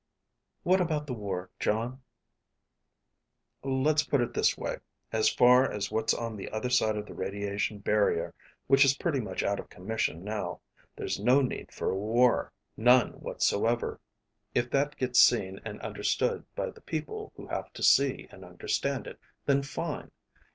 "What about the war, Jon?" "Let's put it this way. As far as what's on the other side of the radiation barrier, which is pretty much out of commission now, there's no need for a war. None whatsoever. If that gets seen and understood by the people who have to see and understand it, then fine.